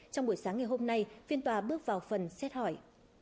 trong buổi sáng ngày hôm nay phiên tòa bước vào phần xét hỏi